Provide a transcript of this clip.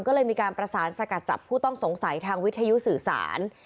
ก็เลยมีการประสานสกัดจับผู้ต้องสงสัยทางวิทยุสื่อสาร